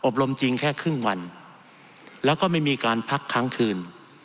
รมจริงแค่ครึ่งวันแล้วก็ไม่มีการพักครั้งคืน